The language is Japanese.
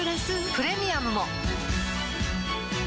プレミアムも